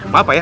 maaf pak ya